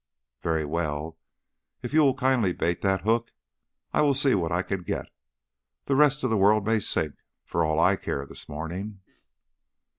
Very well, if you will kindly bait that hook I will see what I can get. The rest of the world may sink, for all I care this morning."